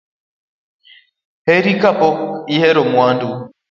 Herri kapok ihero wadu